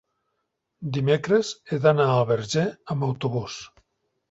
Dimecres he d'anar al Verger amb autobús.